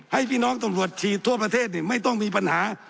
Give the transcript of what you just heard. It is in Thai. ให้พี่น้องตำรวจฉีดทั่วประเทศไม่ต้องมีปัญหา